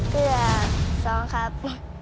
ตัวสองครับ